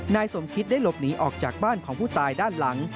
นายสมคิตได้หลบหนีออกจากบ้านของผู้ตายด้านหลัง